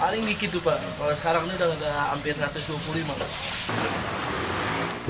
paling dikit tuh pak kalau sekarang ini udah hampir satu ratus dua puluh lima pak